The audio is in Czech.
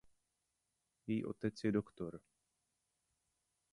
Její otec je doktor.